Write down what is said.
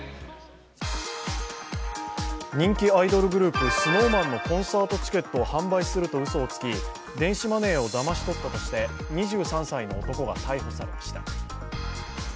人気アイドルグループ・ＳｎｏｗＭａｎのコンサートチケットを販売するとうそをつき電子マネーをだまし取ったとして２３歳の男が逮捕されました。